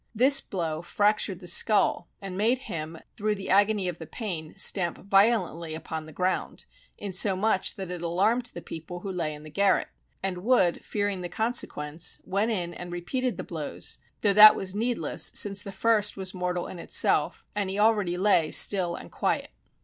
This blow fractured the skull, and made him, through the agony of the pain, stamp violently upon the ground, in so much that it alarmed the people who lay in the garret; and Wood fearing the consequence, went in and repeated the blows, though that was needless since the first was mortal in itself, and he already lay still and quiet.